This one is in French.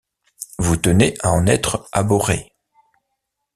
Vous tenez à en être abhorré.